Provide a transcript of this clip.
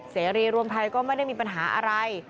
เสรีรวมไทยก็ไม่ได้มีปัญหาอะไร